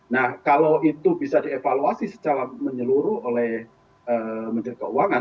nah kalau itu bisa dievaluasi secara menyeluruh oleh menteri keuangan